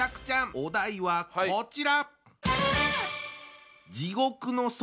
お題はこちら！